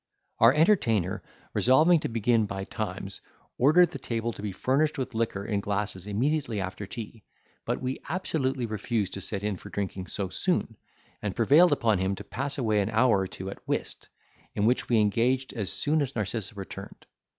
Our entertainer, resolving to begin by times, ordered the table to be furnished with liquor and glasses immediately after tea, but we absolutely refused to set in for drinking so soon; and prevailed upon him to pass away an hour or two at whist, in which we engaged as soon as Narcissa returned.